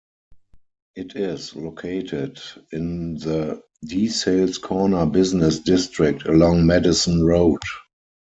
It is located in the DeSales Corner business district, along Madison Road.